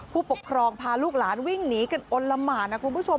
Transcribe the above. ผู้ปกครองพาลูกหลานวิ่งหนีกันอ้นละหมานนะคุณผู้ชม